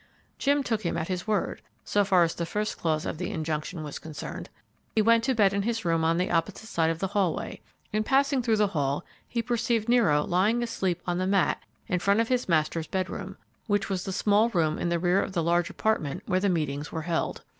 Jim took him at his word, so far as the first clause of the injunction was concerned. He went to bed in his room on the opposite side of the hallway. In passing through the hall he perceived Nero lying asleep on the mat in front of his master's bedroom, which was the small room in the rear of the large apartment where the meetings were held.